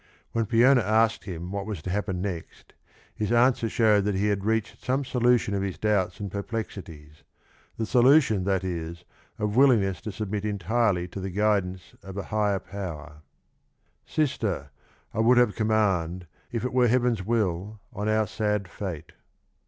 When Peona asked him what v/as to happen next, his answer showed that he had rc9ched some solution ox his doubts and perT}]eMities rue re. oiving of'!'" — the solution, that is, of willingness to submit entire) v to >^*' o'«':>' the guidarice of a higher power :" Sistccr, I would have commaad, If it 'verr heaven's will, on our sad fate."